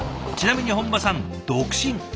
ちなみに本間さん独身。